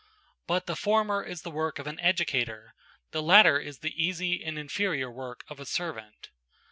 But the former is the work of an educator, the latter is the easy and inferior work of a servant.